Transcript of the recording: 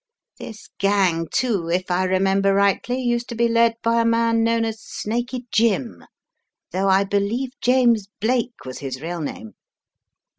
This gang, too, if I remember rightly, used to be led by a man known as Snaky Jim, though I believe James Blake was his real name.